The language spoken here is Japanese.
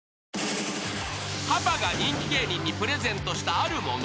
［パパが人気芸人にプレゼントしたあるもの］